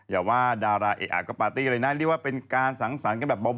อย่าว่าดาราเอะอะก็ปาร์ตี้เลยนะเรียกว่าเป็นการสังสรรค์กันแบบเบา